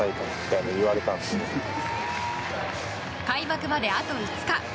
開幕まであと５日。